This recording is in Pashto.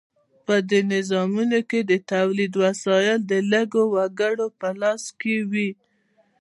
په دې نظامونو کې د تولید وسایل د لږو وګړو په لاس کې وي.